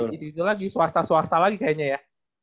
gitu gitu lagi swasta swasta lagi kayaknya ya